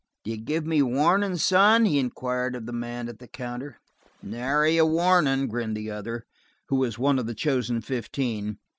"D'you give me warnin', son?" he inquired of the man at the counter. "Nary a warnin'," grinned the other, who was one of the chosen fifteen.